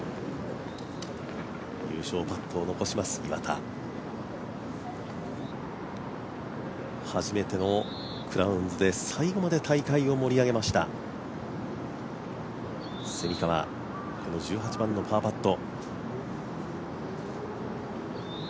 優勝パットを残します、岩田初めてのクラウンズで、最後まで大会を盛り上げました蝉川、この１８番のパーパット。